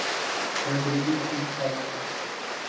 میں بالکل ٹھیک ٹھاک ہوں